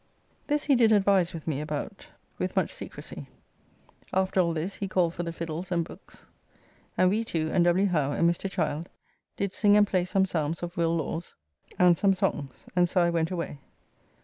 This he did advise with me about with much secresy. After all this he called for the fiddles and books, and we two and W. Howe, and Mr. Childe, did sing and play some psalmes of Will. Lawes's, and some songs; and so I went away.